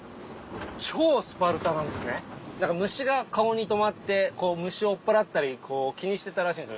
虫が顔に止まって虫を追っ払ったり気にしてたらしいんです